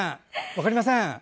分かりません。